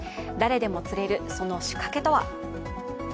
誰でも釣れるその仕掛けとは？